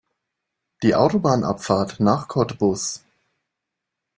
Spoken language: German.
Die Autobahnabfahrt nach Cottbus